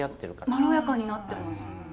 まろやかになってます。